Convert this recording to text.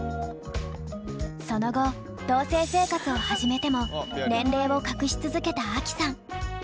その後同棲生活を始めても年齢を隠し続けたアキさん。